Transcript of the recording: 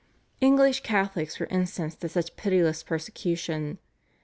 English Catholics were incensed at such pitiless persecution.